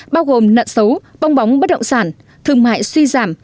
bao gồm nợ xấu bong bóng bất động sản thương mại suy giảm